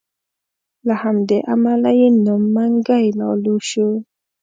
له همدې امله یې نوم منګی لالو شو.